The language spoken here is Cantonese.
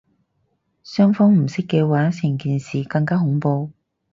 雙方唔識嘅話成件事更加恐怖